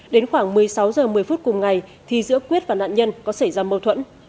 đến khoảng một mươi sáu h một mươi phút cùng ngày thì giữa quyết và nạn nhân có xảy ra mâu thuẫn